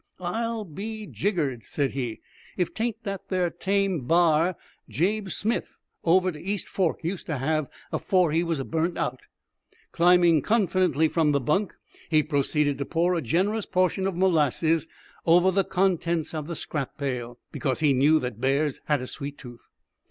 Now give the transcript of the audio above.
"I'll be jiggered," said he, "ef 'tain't that there tame b'ar Jabe Smith, over to East Fork, used to have afore he was burnt out!" Climbing confidently from the bunk, he proceeded to pour a generous portion of molasses over the contents of the scrap pail, because he knew that bears had a sweet tooth.